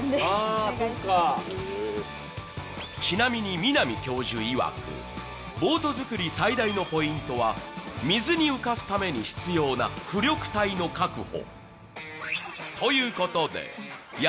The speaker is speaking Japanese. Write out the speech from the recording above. ちなみに、南教授いわく、ボート作りの最大のポイントは水に浮かすために必要な浮力体の確保。